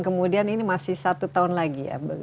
kemudian ini masih satu tahun lagi ya